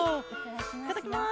いただきます。